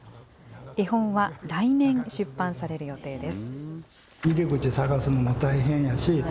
絵本は来年出版される予定です。